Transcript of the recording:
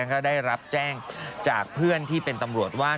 ก็ได้รับแจ้งจากเพื่อนที่เป็นตำรวจว่า